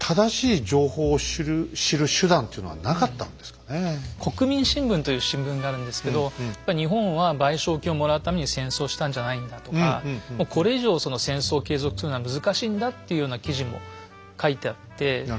河合先生その「国民新聞」という新聞があるんですけど日本は賠償金をもらうために戦争したんじゃないんだとかもうこれ以上戦争を継続するのは難しいんだっていうような記事も書いてあって。